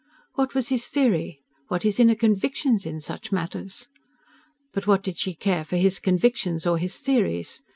What was his theory, what his inner conviction in such matters? But what did she care for his convictions or his theories?